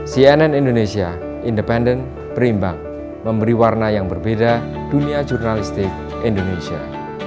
cnn indonesia independen berimbang memberi warna yang berbeda dunia jurnalistik indonesia